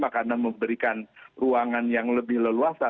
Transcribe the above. karena memberikan ruangan yang lebih leluasa